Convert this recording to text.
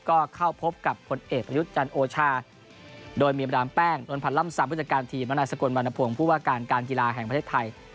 ก็เข้าพบกับผลเอกประยุทธ์จันทร์โอชาโดยมีดามแป้งนวลพันธ์ล่ำซำผู้จัดการทีมและนายสกลวรรณพงศ์ผู้ว่าการการกีฬาแห่งประเทศไทย